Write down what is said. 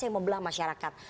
yang membelah masyarakat